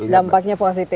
jadi dampaknya positif